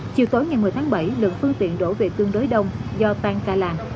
chiều tối ngày một mươi tháng bảy lượng phương tiện đổ về tương đối đông do tan ca làng